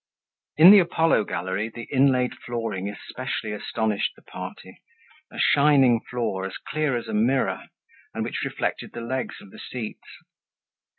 In the Apollo Gallery, the inlaid flooring especially astonished the party—a shining floor, as clear as a mirror, and which reflected the legs of the seats.